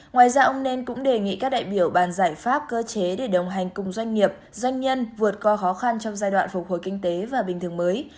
ngoài ra ông nên cũng đề nghị các đại biểu bàn giải pháp cơ chế để đồng hành cùng doanh nghiệp doanh nhân vượt qua khó khăn trong giai đoạn phục hồi kinh tế và bình thường mới